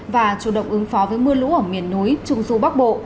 và chủ động ứng phó với mưa lũ ở miền núi trung du bắc bộ